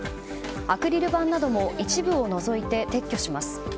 アクリル板なども一部を除いて撤去します。